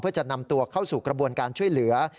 เพื่อจะนำตัวเข้าสู่กระบวนการช่วยเหลือ